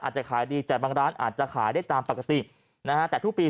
อาจจะขายดีแต่บางร้านอาจจะขายได้ตามปกตินะฮะแต่ทุกปี